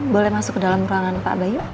boleh masuk ke dalam ruangan pak bayu